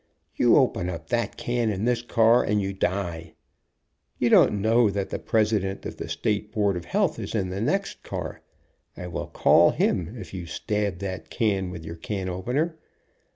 "You open up that can in this car and you die. You don't know that the President of the State Board of Health is in the next car. I will call him if you stab that can with your can opener.